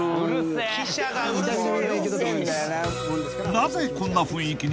［なぜこんな雰囲気に？